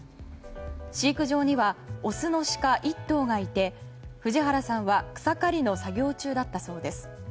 飼育場にはオスのシカ１頭がいて藤原さんは草刈りの作業中だったそうです。